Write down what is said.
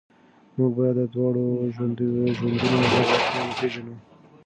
موږ باید د دواړو ژوندونو ځانګړتیاوې وپېژنو.